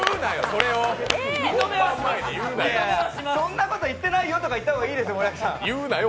そんなこと言ってないよぐらい言った方がいいですよ。